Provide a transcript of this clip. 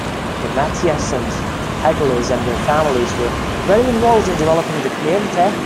The Matthiessens, Hegelers and their families were very involved in developing the community.